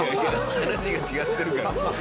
話が違ってるから。